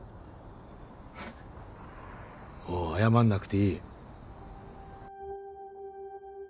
もう謝んなくていい。